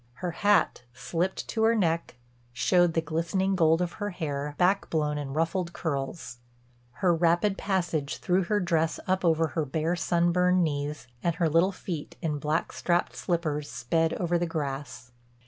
Her hat, slipped to her neck, showed the glistening gold of her hair back blown in ruffled curls; her rapid passage threw her dress up over her bare, sunburned knees, and her little feet in black strapped slippers sped over the grass.